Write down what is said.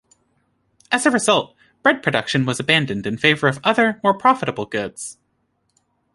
As a result, bread production was abandoned in favour of other, more profitable goods.